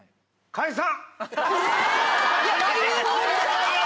解散！